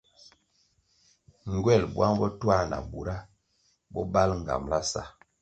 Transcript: Ngywel buang botuah na bura bo bali nğambala sa.